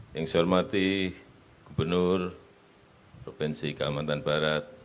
yang saya hormati gubernur provinsi kalimantan barat